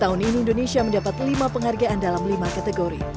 tahun ini indonesia mendapat lima penghargaan dalam lima kategori